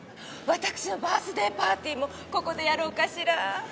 わたくしのバースデーパーティーもここでやろうかしら。